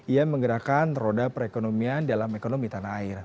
ia menggerakkan roda perekonomian dalam ekonomi tanah air